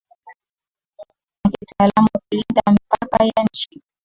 ya kitaaluma kulinda mipaka ya nchi